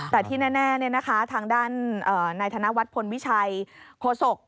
แต่ที่แน่นะคะทางด้านในธนวัฒน์พลวิชัยโศก